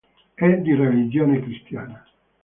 È di religione cristiana.